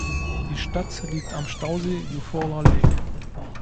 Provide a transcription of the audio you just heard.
Die Stadt liegt am Stausee Eufaula Lake.